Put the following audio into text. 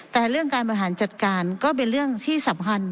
แต่เรื่องการบริหารจัดการก็เป็นเรื่องที่สำคัญ